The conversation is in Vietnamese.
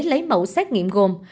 lấy mẫu xét nghiệm gồm